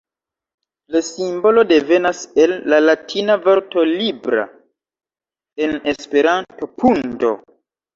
La simbolo devenas el la latina vorto "libra", en Esperanto "pundo".